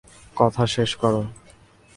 কথা শেষ করো।